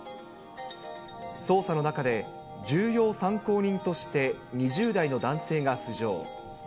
捜査の中で、重要参考人として２０代の男性が浮上。